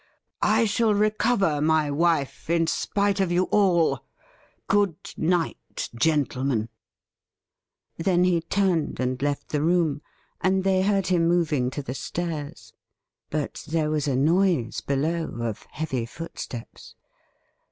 I shall recover my wife in spite of you all. Good night, gentlemen !' Then he turned and left the room, and they heard him moving to the stairs. But there was a noise below, of heavy footsteps.